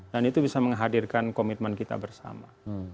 dan itu bisa menghadirkan komitmen kita bersama